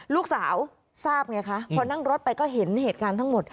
ลูกสาวทราบไงคะพอนั่งรถไปก็เห็นเหตุการณ์ทั้งหมด